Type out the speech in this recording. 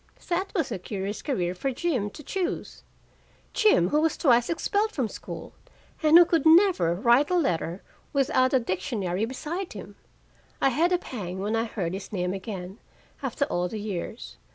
That was a curious career for Jim to choose. Jim, who was twice expelled from school, and who could never write a letter without a dictionary beside him! I had a pang when I heard his name again, after all the years.